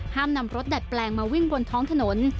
ห้ามนำรถดัดแปลงมาวิ่งบนท้องถนน